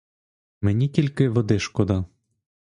Мені тільки води шкода.